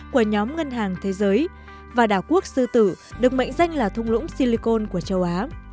của nhóm ngân hàng thế giới và đảo quốc sư tử được mệnh danh là thung lũng silicon của châu á